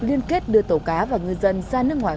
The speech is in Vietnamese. liên kết đưa tàu cá và ngư dân ra nước ngoài